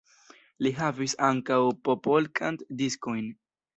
Li havis ankaŭ popolkant-diskojn.